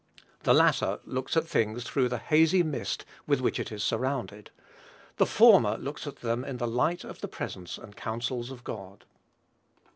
The latter looks at things through the hazy mist with which it is surrounded; the former looks at them in the light of the presence and counsels of God.